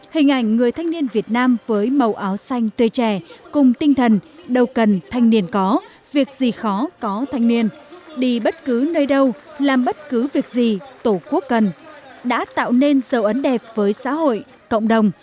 hình ảnh người thanh niên việt nam với màu áo xanh tươi trẻ cùng tinh thần đâu cần thanh niên có việc gì khó có thanh niên đi bất cứ nơi đâu làm bất cứ việc gì tổ quốc cần đã tạo nên dấu ấn đẹp với xã hội cộng đồng